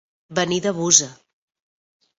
Venir de Busa.